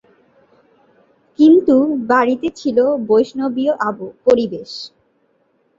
কিন্তু বাড়িতে ছিল বৈষ্ণবীয় পরিবেশ।